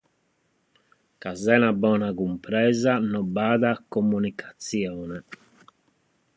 Ca sena bona cumpresa non b'at comunicatzione.